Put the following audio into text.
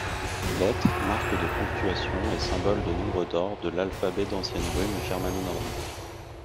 Lettres, marques de ponctuations et symboles de nombres d’or de l’alphabet d’anciennes runes germano-nordiques.